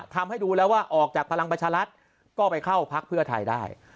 ทำให้ดูแล้วว่าออกจากพลังประชารัฐก็ไปเข้าพักเพื่อไทยได้